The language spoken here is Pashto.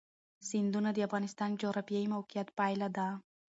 سیندونه د افغانستان د جغرافیایي موقیعت پایله ده.